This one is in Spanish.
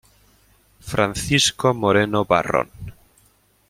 Francisco Moreno Barrón.